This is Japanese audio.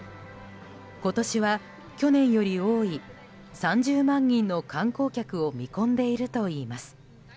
今年は去年より多い３０万人の観光客を見込んでいるといいます。